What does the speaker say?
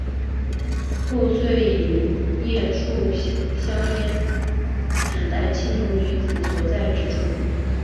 后遂以桦树香烟指代青楼女子所在之处。